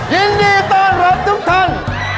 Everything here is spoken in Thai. ยินดีต้อนรับทุกท่าน